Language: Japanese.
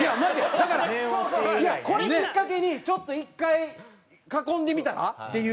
だからいやこれきっかけにちょっと１回囲んでみたらっていう。